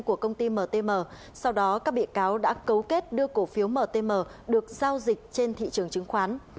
của công ty mtm sau đó các bị cáo đã cấu kết đưa cổ phiếu mtm được giao dịch trên thị trường chứng khoán